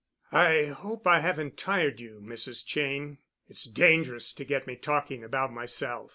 "I hope I haven't tired you, Mrs. Cheyne. It's dangerous to get me talking about myself.